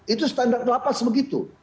itu standar lapas begitu